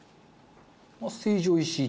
まあ成城石井と。